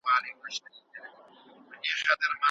ماشومان باید له پاک طبیعت څخه زده کړه وکړي.